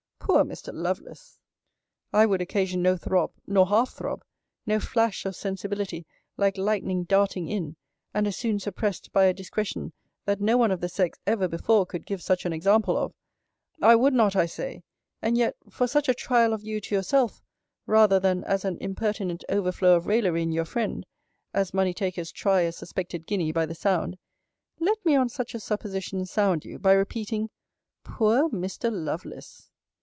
Poor Mr. Lovelace ! I would occasion no throb; nor half throb; no flash of sensibility, like lightning darting in, and as soon suppressed by a discretion that no one of the sex ever before could give such an example of I would not, I say; and yet, for such a trial of you to yourself, rather than as an impertinent overflow of raillery in your friend, as money takers try a suspected guinea by the sound, let me on such a supposition, sound you, by repeating, poor Mr. Lovelace!